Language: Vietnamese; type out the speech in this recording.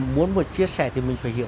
muốn chia sẻ thì mình phải hiểu